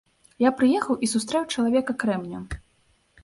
Я прыехаў і сустрэў чалавека-крэмня!